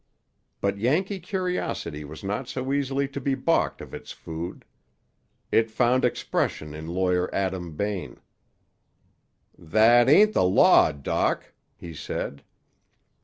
But Yankee curiosity was not so easily to be balked of its food. It found expression in Lawyer Adam Bain. "That ain't the law, Doc," he said.